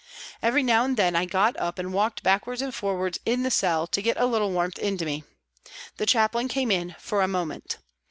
Every now and then I got up and walked backwards and forwards in the cell to get a little warmth into me. The Chaplain came in for a moment.